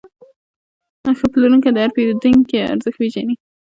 ښه پلورونکی د هر پیرودونکي ارزښت پېژني.